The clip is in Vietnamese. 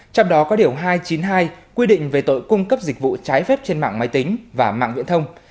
trong đó có điều hai trăm chín mươi hai quy định về tội cung cấp dịch vụ trái phép trên mạng máy tính và mạng viễn thông